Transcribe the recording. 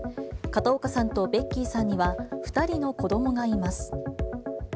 片岡さんとベッキーさんには２人の子どもがいます。